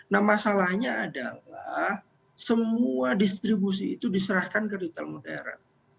nah masalahnya adalah semua distribusi itu diserahkan ke retail modern